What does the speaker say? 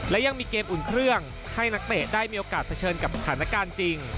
และยังมีเกมอุ่นเครื่องให้นักเตะได้มีโอกาสเผชิญกับสถานการณ์จริง